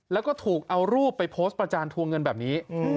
แล้วก็ถูกเอารูปไปโพสต์ประจานทวงเงินแบบนี้